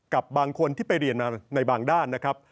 กับบางคนที่ไปเรียนมาในบางด้านนะครับ